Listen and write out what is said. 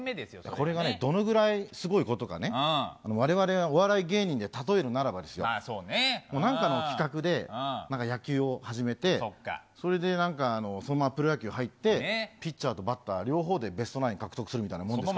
これがどれくらいすごいことかね、われわれお笑い芸人で例えるならばですよ、なんかの企画で、野球を始めて、それでなんか、そのままプロ野球入って、ピッチャーとバッターでべベストナイン獲得するみたいなもんですよ。